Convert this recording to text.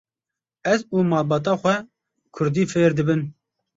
Ez û malbata xwe kurdî fêr dibin.